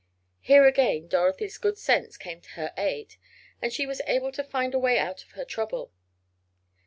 Here again Dorothy's good sense came to her aid, and she was able to find a way out of her trouble.